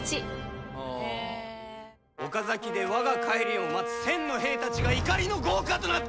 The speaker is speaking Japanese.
岡崎で我が帰りを待つ１，０００の兵たちが怒りの業火となって。